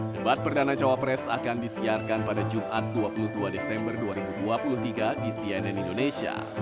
debat perdana cawapres akan disiarkan pada jumat dua puluh dua desember dua ribu dua puluh tiga di cnn indonesia